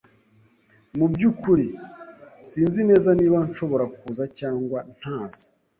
Mubyukuri, sinzi neza niba nshobora kuza cyangwa ntaza.